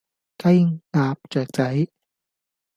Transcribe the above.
雞鴨雀仔